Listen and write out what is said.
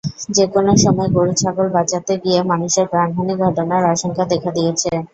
যেকোনো সময় গরু-ছাগল বাঁচাতে গিয়ে মানুষের প্রাণহানি ঘটার আশঙ্কা দেখা দিয়েছে।